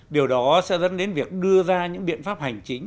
điều đó sẽ dẫn đến việc đưa ra những biện pháp hành chính